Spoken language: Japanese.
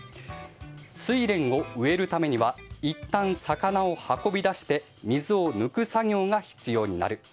スイレンを植えるためにはいったん魚を運び出して水を抜く作業が必要になる。